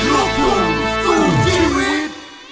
ลูกคุณสู่ชีวิต